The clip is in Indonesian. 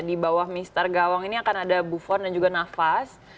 di bawah mister gawang ini akan ada buffon dan juga nafas